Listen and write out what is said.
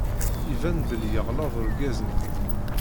Iban belli yeɣleḍ urgaz-nni.